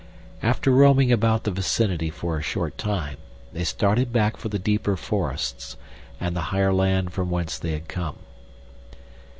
After roaming about the vicinity for a short time, they started back for the deeper forests and the higher land from whence they had come.